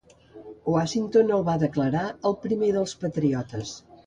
Washington el va declarar el primer dels patriotes.